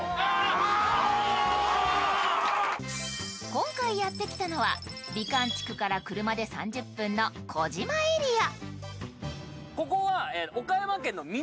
今回やってきたのは美観地区から車で３０分の児島エリア。